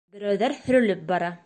Берәүҙәр һөрөлөп бара.